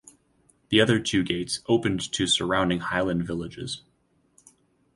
The other two gates opened to surrounding highland villages.